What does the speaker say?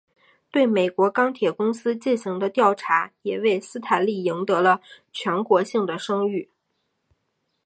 对美国钢铁公司进行的调查也为斯坦利赢得了全国性的声誉。